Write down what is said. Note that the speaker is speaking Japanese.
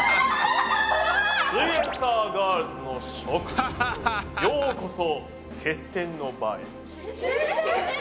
すイエんサーガールズの諸君ようこそ決戦の場へ。